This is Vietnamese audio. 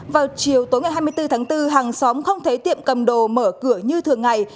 vào chiều tối ngày hai mươi bốn tháng bốn hàng xóm không thấy tiệm cầm đồ mở cửa như thường ngày